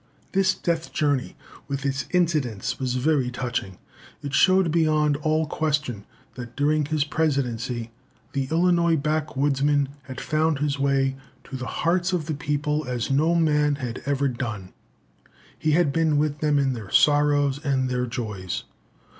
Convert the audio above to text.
This death journey, with its incidents, was very touching. It showed beyond all question that, during his Presidency, the Illinois backwoodsman had found his way to the hearts of the people as no man had ever done. He had been with them in their sorrows and their joys.